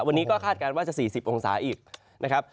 วันนี้ก็คาดการณ์ว่าจะ๔๐องศาอีกนะครับ